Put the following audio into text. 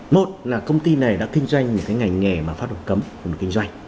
một là công ty này đã kinh doanh một cái ngành nghề mà pháp luật cấm không được kinh doanh